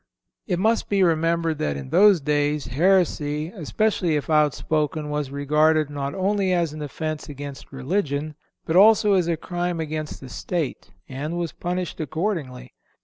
It must be remembered that in those days heresy, especially if outspoken, was regarded not only as an offence against religion, but also as a crime against the state, and was punished accordingly.